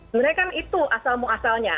sebenarnya kan itu asal muasalnya